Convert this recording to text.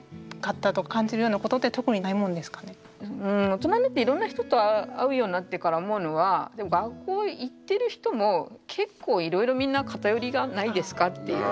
大人になっていろんな人と会うようになってから思うのは学校行ってる人も結構いろいろみんな偏りがないですかっていう。